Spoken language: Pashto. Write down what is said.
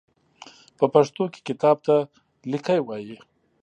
په پښتو کې کتاب ته ليکی وايي.